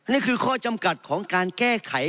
นี่คือข้อจำกัดของการแก้ไข